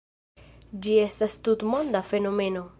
Ĝi estas tutmonda fenomeno.